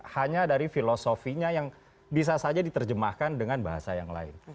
hanya dari filosofinya yang bisa saja diterjemahkan dengan bahasa yang lain